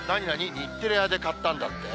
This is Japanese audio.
日テレ屋で買ったんだって？